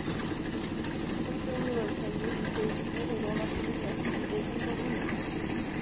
O Framework Agile melhorou nossos processos de desenvolvimento.